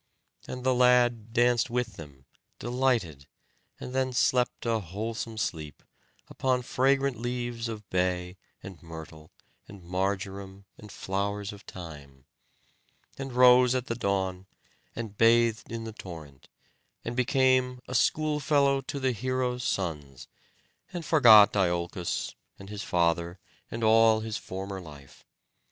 And the lad danced with them, delighted, and then slept a wholesome sleep, upon fragrant leaves of bay, and myrtle, and marjoram, and flowers of thyme; and rose at the dawn, and bathed in the torrent, and became a schoolfellow to the heroes' sons, and forgot Iolcos, and his father, and all his former life.